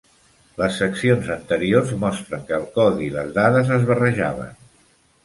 Les seccions anteriors mostren que el codi i les dades es barrejaven.